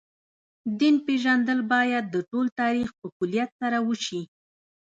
دین پېژندل باید د ټول تاریخ په کُلیت سره وشي.